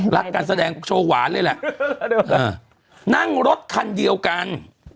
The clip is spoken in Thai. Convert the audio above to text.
การแสดงโชว์หวานเลยแหละนั่งรถคันเดียวกัน